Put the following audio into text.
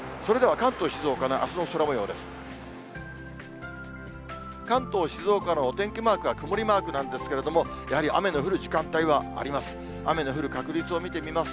関東、静岡のお天気マークは曇りマークなんですけれども、やはり雨の降る時間帯はあります。